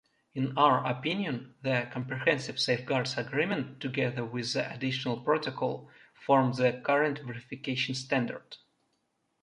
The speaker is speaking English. In our opinion, the Comprehensive Safeguards Agreement together with the Additional Protocol form the current verification standard.